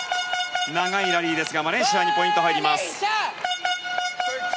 長いラリーですがマレーシアにポイントが入ります。